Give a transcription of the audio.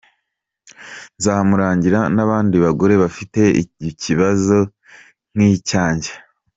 Nzamurangira n’abandi bagore bafite ikibazo nk’icyanjye.